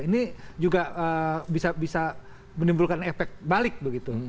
ini juga bisa menimbulkan efek balik begitu